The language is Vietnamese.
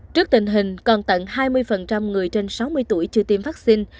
trước tình hình còn tận hai mươi người trên sáu mươi tuổi chưa tiêm vaccine